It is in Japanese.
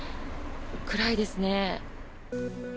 暗いですね。